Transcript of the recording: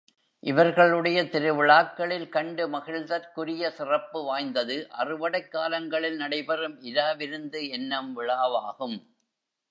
இவர்களுடைய திருவிழாக்களில் கண்டு மகிழ்தற்குரிய சிறப்புவாய்ந்தது, அறுவடைக் காலங்களில் நடைபெறும் இரா விருந்து என்னும் விழாவாகும்.